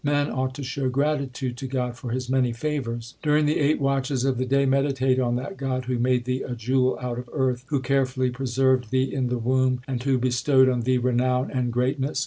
Man ought to show gratitude to God for His many favours : During the eight watches of the day meditate on that God Who made thee a jewel out of earth, Who carefully preserved thee in the womb, And who bestowed on thee renown and greatness.